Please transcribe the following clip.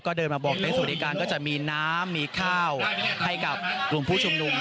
ก็เดินมาบอกในสวัสดิการก็จะมีน้ำมีข้าวให้กับกลุ่มผู้ชุมนุม